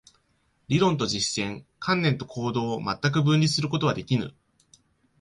理論と実践、観念と行動を全く分離することはできぬ。